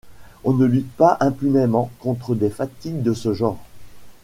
On ne lutte pas impunément contre des fatigues de ce genre.